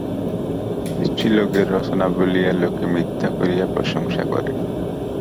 স্ত্রীলোকের রচনা বলিয়া লোকে মিথ্যা করিয়া প্রশংসা করে।